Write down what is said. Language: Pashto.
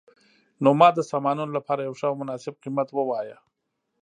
نو ما د سامانونو لپاره یو ښه او مناسب قیمت وواایه